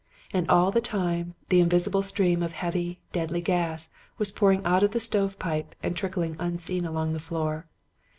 And all the time the invisible stream of heavy, deadly gas was pouring out of the stovepipe and trickling unseen along the floor.